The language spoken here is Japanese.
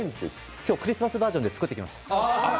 今日クリスマスバージョンで作ってきました。